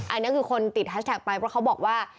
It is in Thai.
อันนี้คือคนติดแฮชแท็กไปเพราะเขาบอกว่า